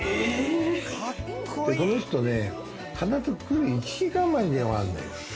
この人ね、必ず来る１時間前に電話あるのよ。